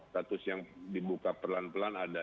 status yang dibuka perlahan lahan ada